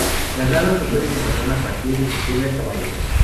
Las larvas se pueden encontrar a partir de septiembre hasta mayo.